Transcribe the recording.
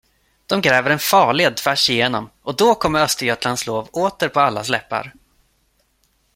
De gräver en farled tvärsigenom, och då kommer Östergötlands lov åter på allas läppar.